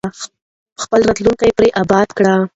خپل راتلونکی پرې اباد کړو.